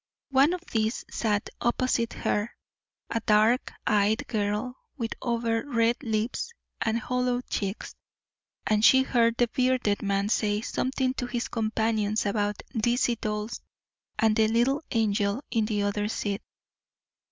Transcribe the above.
One of these sat opposite her, a dark eyed girl with over red lips and hollowed cheeks, and she heard the bearded man say something to his companions about "dizzy dolls" and "the little angel in the other seat."